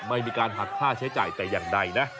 ไม่มีการหักค่าใช้จ่ายแต่อย่างใดนะ